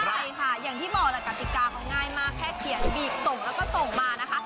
ใช่ค่ะอย่างที่บอกแหละกติกาเขาง่ายมากแค่เขียนบีบส่งแล้วก็ส่งมานะคะ